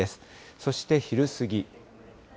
そして、昼過ぎ。